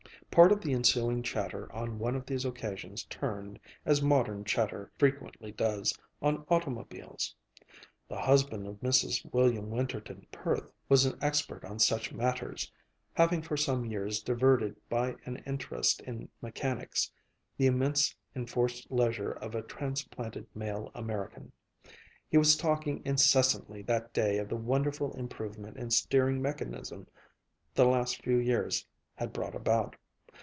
Part of the ensuing chatter on one of these occasions turned, as modern chatter frequently does, on automobiles. The husband of Mrs. William Winterton Perth was an expert on such matters, having for some years diverted by an interest in mechanics the immense enforced leisure of a transplanted male American. He was talking incessantly that day of the wonderful improvement in steering mechanism the last few years had brought about.